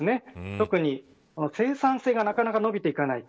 特に生産性がなかなか伸びていかない。